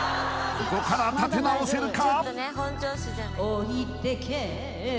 ここから立て直せるか？